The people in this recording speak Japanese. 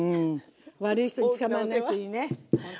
悪い人につかまんないといいねほんと。